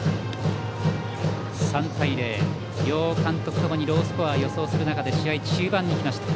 ３対０、両監督ともにロースコアを予想する中で試合中盤に来ました。